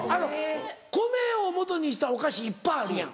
米をもとにしたお菓子いっぱいあるやん。